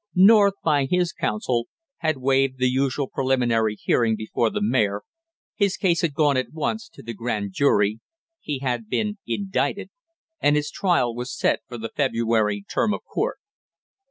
North, by his counsel, had waved the usual preliminary hearing before the mayor, his case had gone at once to the grand jury, he had been indicted and his trial was set for the February term of court.